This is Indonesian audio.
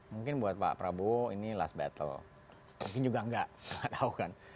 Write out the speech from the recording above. mungkin buat pak prabowo ini last battle mungkin juga enggak tahu kan